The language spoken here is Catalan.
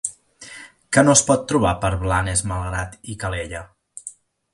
Què no es pot trobar per Blanes, Malgrat i Calella?